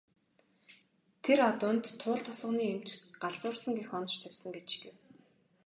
Тэр адуунд Туул тосгоны эмч "галзуурсан" гэх онош тавьсан гэж гэв.